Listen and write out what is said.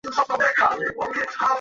এই দুটির কোনটি সে বলবে কে জানে!